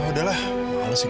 ya udah cepetan masuk